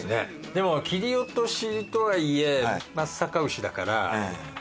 でも切り落としとはいえ松阪牛だから。